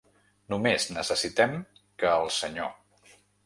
Només necessitem que el senyor.